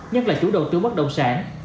nhất là chủ đầu tư mất đồng sản